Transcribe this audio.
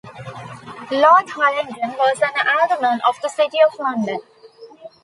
Lord Hollenden was an Alderman of the City of London.